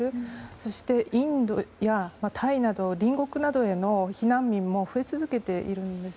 そして、インドやタイなど隣国などへの避難民も増え続けているんです。